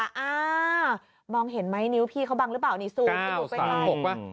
อ่ามองเห็นไหมนิ้วพี่เขาบังหรือเปล่านี่สูงสูงไป